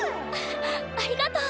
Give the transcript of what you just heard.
あありがとう！